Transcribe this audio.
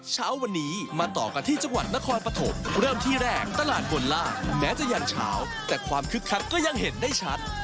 เช้าวันนี้มาต่อกันที่จังหวัดนครปฐมเริ่มที่แรกตลาดบนล่างแม้จะยันเช้าแต่ความคึกคักก็ยังเห็นได้ชัด